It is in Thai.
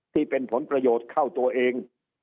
ที่เป็นผลประโยชน์เข้าตัวเอง